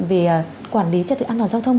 về quản lý chất lượng an toàn giao thông